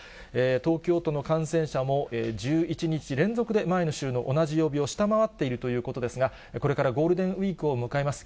東京都の感染者も、１１日連続で、前の週の同じ曜日を下回っているということですが、これからゴールデンウィークを迎えます。